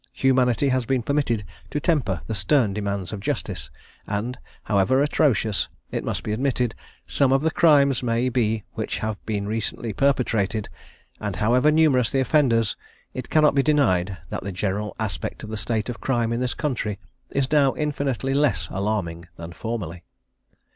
Humanity has been permitted to temper the stern demands of justice; and however atrocious, it must be admitted, some of the crimes may be which have been recently perpetrated, and however numerous the offenders it cannot be denied that the general aspect of the state of crime in this country is now infinitely less alarming than formerly.